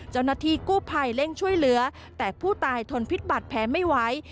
เจ้าหน้าที่กู้ภัยเร่งช่วยเหลือแต่ผู้ตายทนพิษบัตรแผลไม่ไหว